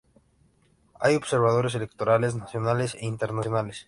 Hay observadores electorales nacionales e internacionales.